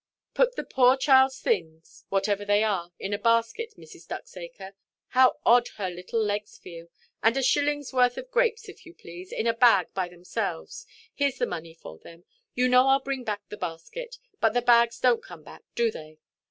"Put the poor childʼs things, whatever they are, in a basket, Mrs. Ducksacre. How odd her little legs feel! And a shillingʼs worth of grapes, if you please, in a bag by themselves. Hereʼs the money for them. You know Iʼll bring back the basket. But the bags donʼt come back, do they?"